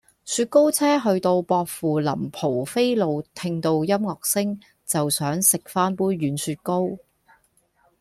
雪糕車去到薄扶林蒲飛路聽到音樂聲就想食返杯軟雪糕